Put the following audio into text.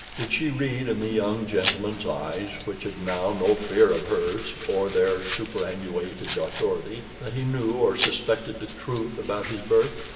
Did she read in the young gentleman's eyes, which had now no fear of hers or their superannuated authority, that he knew or suspected the truth about his birth?